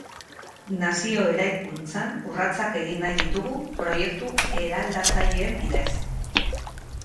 Nazio eraikuntzan urratsak egin nahi ditugu proiektu eraldatzaileen bidez.